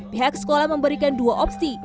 pihak sekolah memberikan dua opsi